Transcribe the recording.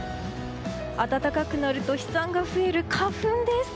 暖かくなると飛散が増える花粉です。